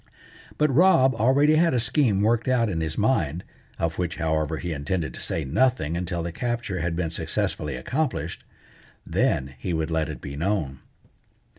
But Rob already had a scheme worked out in his mind, of which, however, he intended to say nothing until the capture had been successfully accomplished. Then he would let it be known.